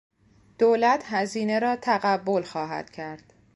دولت هزینه را تقبل خواهد کرد